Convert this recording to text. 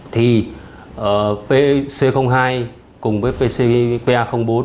thì pc hai cùng với pcpa bốn